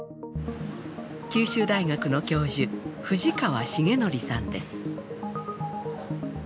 九州大学の教授藤川茂紀さんです。